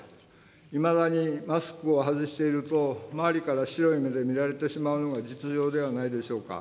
いまだにマスクを外していると、周りから白い目で見られてしまうのが実情ではないでしょうか。